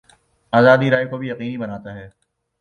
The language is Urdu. آزادیٔ رائے کو بھی یقینی بناتا ہے۔